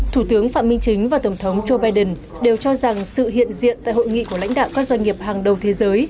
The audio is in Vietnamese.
thủ tướng phạm minh chính và tổng thống joe biden đều cho rằng sự hiện diện tại hội nghị của lãnh đạo các doanh nghiệp hàng đầu thế giới